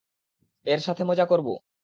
এর সাথে মজা করব?